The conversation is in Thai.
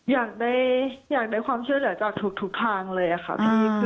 อยากได้อยากได้ความเชื่อเหลือจากทุกทุกทางเลยอะค่ะอ่า